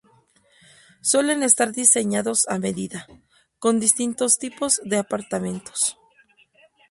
Suelen estar diseñados a medida, con distintos tipos de apartamentos.